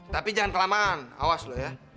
tapi jangan kelamahan awas lo ya